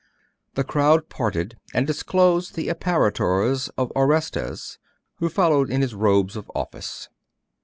The crowd parted, and disclosed the apparitors of Orestes, who followed in his robes of office.